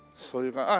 そうか。